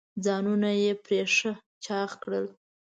ځانونه یې پرې ښه چاغ کړل.